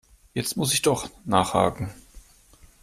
Jetzt muss ich doch nachhaken.